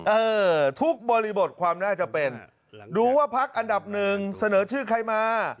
เออทุกบริบทความน่าจะเป็นดูว่าพักอันดับหนึ่งเสนอชื่อใครมา